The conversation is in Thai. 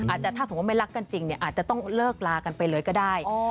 ถ้าสมมุติไม่รักกันจริงเนี่ยอาจจะต้องเลิกลากันไปเลยก็ได้